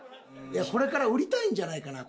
これから売りたいんじゃないかな？